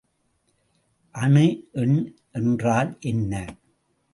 அணு எண் என்றால் என்ன?